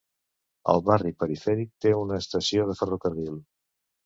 El barri perifèric té una estació de ferrocarril.